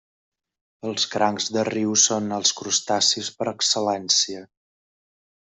Els crancs de riu són els crustacis per excel·lència.